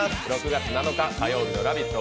６月７日火曜日の「ラヴィット！」